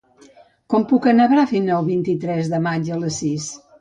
Com puc anar a Bràfim el vint-i-tres de maig a les sis?